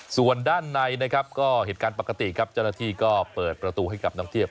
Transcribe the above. ส่วนด้านในนะครับก็เหตุการณ์ปกติครับเจ้าหน้าที่ก็เปิดประตูให้กับน้องเทียบ